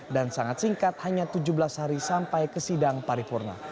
dan sangat singkat hanya tujuh belas hari sampai ke sidang paripurna